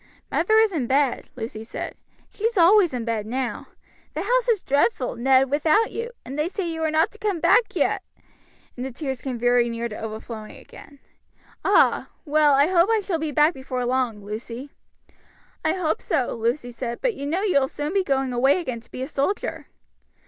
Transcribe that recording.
"Mother is in bed," Lucy said. "She's always in bed now; the house is dreadful, Ned, without you, and they say you are not to come back yet," and the tears came very near to overflowing again. "Ah! well, I hope I shall be back before long, Lucy." "I hope so," Lucy said; "but you know you will soon be going away again to be a soldier."